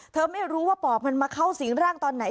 เธอไม่รู้ว่าปอบมันมาเข้าสิงร่างตอนไหน